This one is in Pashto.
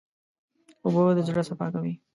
اوبه د زړه صفا کوي.